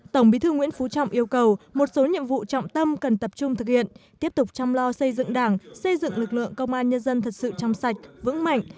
tổng bí thư nguyễn phú trọng yêu cầu một số nhiệm vụ trọng tâm cần tập trung thực hiện tiếp tục chăm lo xây dựng đảng xây dựng lực lượng công an nhân dân thật sự trong sạch vững mạnh